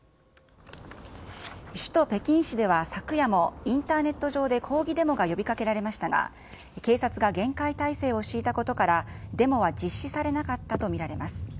首都北京市では、昨夜もインターネット上で抗議デモが呼びかけられましたが、警察が厳戒態勢を敷いたことから、デモは実施されなかったと見られます。